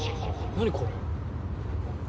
何これ。